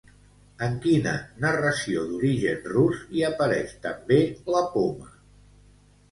En quina narració d'origen rus hi apareix, també, la poma?